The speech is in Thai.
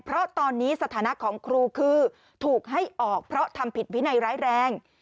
เพราะตอนนี้สถานะของครูคือถูกให้ออกเพราะทำผิดวินัยร้ายแรง